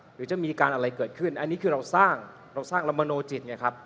หรือจะมีการอะไรเกิดขึ้นอันนี้คือเราสร้างเราสร้างละมโนจิตไงครับ